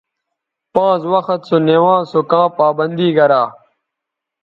پانز وخت سونوانز سو کاں پابندی گرا